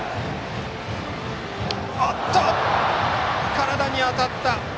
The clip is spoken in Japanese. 体に当たった！